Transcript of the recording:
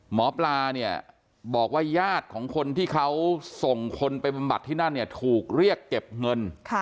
หมอปลาบอกว่าย่าดของคนที่เขาส่งคนไปประบัติที่นั่นถูกเรียกเก็บเงิน